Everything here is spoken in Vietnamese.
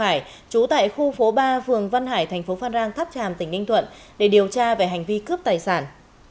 hồ ngọc hà tỉnh lâm đồng vừa khởi tố đối tượng hồ ngọc hà trú tại khu phố ba vườn văn hải tp phan rang thắp tràm tỉnh ninh thuận để điều tra về hành vi cướp tài sản